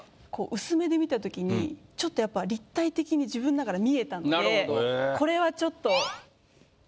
薄目で見た時にちょっとやっぱ立体的に自分の中で見えたのでこれはちょっと。